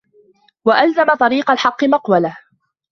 وَأَلْزَمَ طَرِيقَ الْحَقِّ مِقْوَلَهُ